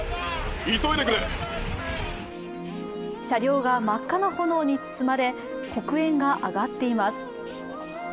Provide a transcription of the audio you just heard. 車両が真っ赤な炎に包まれ黒煙が上がっています。